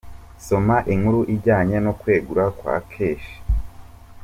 Soma inkuru ijyanye no kwegura kwa Keshi.